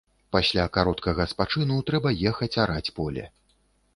Пасля кароткага спачыну трэба ехаць араць поле.